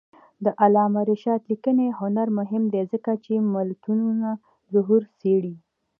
د علامه رشاد لیکنی هنر مهم دی ځکه چې ملتونو ظهور څېړي.